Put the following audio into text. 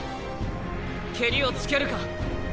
ケリをつけるか。